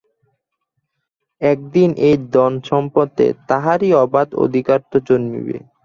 একদিন এই ধনসম্পদে তাহারই অবাধ অধিকার তো জন্মিবে।